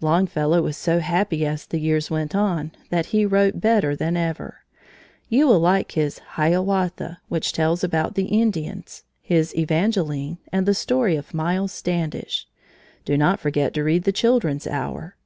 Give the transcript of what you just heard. Longfellow was so happy as the years went on, that he wrote better than ever. You will like his "Hiawatha", which tells about the Indians, his "Evangeline", and the story of Myles Standish. Do not forget to read "The Children's Hour."